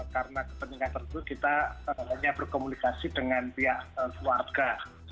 karena kepentingan tersebut kita berkomunikasi dengan pihak keluarga